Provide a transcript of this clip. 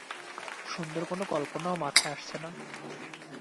সুন্দর কোনো কল্পনাও মাথায় আসছে না।